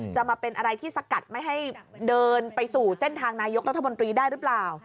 จะมาเป็นอะไรที่สกัดไม่ให้เดินไปสู่เส้นทางนายกรัฐมนตรีได้หรือเปล่า